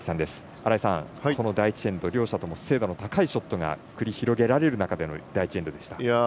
新井さん、第１エンド両者とも精度の高いショットが繰り広げられる中での第１エンドでした。